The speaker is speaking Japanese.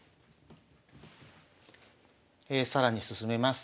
更に進めます。